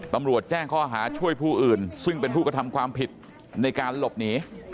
ตำรวจแจ้งข้อหาช่วยผู้อื่นซึ่งเป็นผู้กระทำความผิดในการหลบหนี